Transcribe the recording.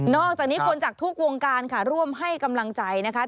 อกจากนี้คนจากทุกวงการค่ะร่วมให้กำลังใจนะคะ